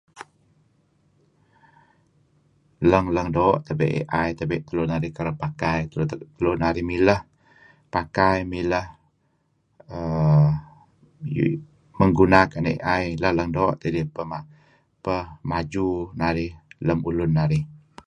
Lang-lang doo' tebe' AI tebe' tulu narih kereb pakai idih tulu narih mileh pakai err menggunakan AI leng-leng tidih peh ngaju narih lem ulun narih.